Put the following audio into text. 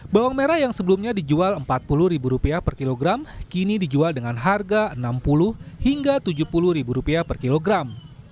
bawang merah yang sebelumnya dijual rp empat puluh per kilogram kini dijual dengan harga rp enam puluh hingga rp tujuh puluh per kilogram